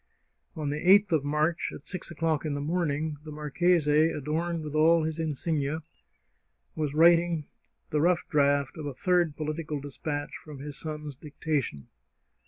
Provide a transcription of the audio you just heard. On the 8th of March, at six o'clock in the morning, the marchese, adorned with all his insignia, was writing the rough draft of a third political despatch from his son's dictation.